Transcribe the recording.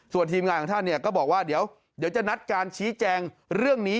ส่วนทีมงานของท่านก็บอกว่าเดี๋ยวจะนัดการชี้แจงเรื่องนี้